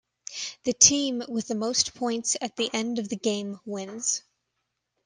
The team with the most points at the end of the game wins.